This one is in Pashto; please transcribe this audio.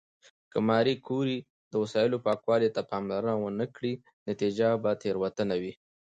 که ماري کوري د وسایلو پاکوالي ته پاملرنه ونه کړي، نتیجه به تېروتنه وي.